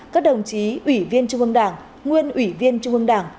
các đồng chí ủy viên trung ương đảng nguyên ủy viên trung ương đảng